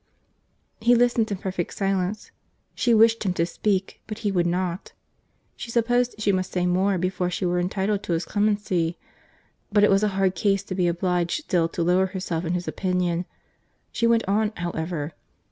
He listened in perfect silence. She wished him to speak, but he would not. She supposed she must say more before she were entitled to his clemency; but it was a hard case to be obliged still to lower herself in his opinion. She went on, however.